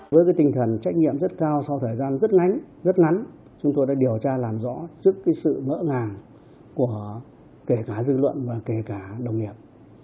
với tinh thần trách nhiệm rất cao sau thời gian rất ngắn rất ngắn chúng tôi đã điều tra làm rõ trước sự ngỡ ngàng của kể cả dư luận và kể cả đồng nghiệp